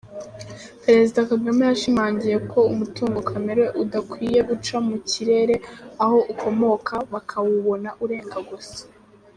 Perezida Kagame yashimangiye ko umutungo kamere udakwiyeguca mu kirere aho ukomoka bakawubona urenga gusa.